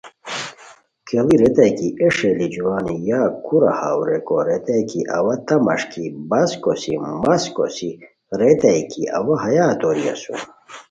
کیڑی ریتائے کی اے ݰئیلی جوان یا کورا ہاؤ! ریکو ریتائے کی اوا تہ مݰکی بس کوسی مس کوسی ریتائے کی اوا ہیا توری اسوم